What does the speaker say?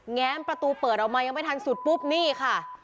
แง้มประตูเปิดออกมายังไม่ทันสุดปุ๊บนี่ค่ะ